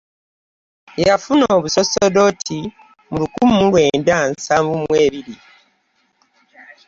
Yafuna obusaseredooti mu lukumi mu lwenda nsanvu mu ebiri.